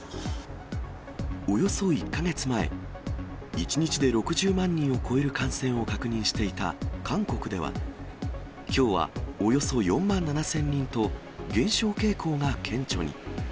およそ１か月前、１日で６０万人を超える感染を確認していた韓国では、きょうはおよそ４万７０００人と、減少傾向が顕著に。